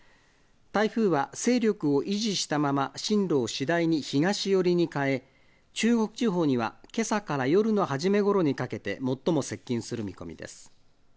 台風は勢力を維持したまま進路を次第に東寄りに変え中国地方には、けさから夜の初めごろにかけて最も接近する見込みです。